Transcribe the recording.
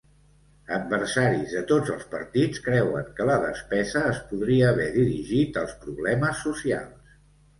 Adversaris de tots els partits creuen que la despesa es podria haver dirigit als problemes socials.